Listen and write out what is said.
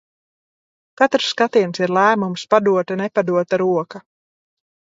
Katrs skatiens ir lēmums, padota, nepadota roka.